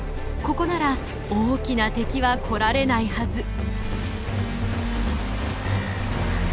ここなら大きな敵は来られないはず。